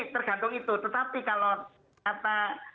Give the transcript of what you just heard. tetapi kalau kata